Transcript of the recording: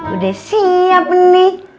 udah siap nih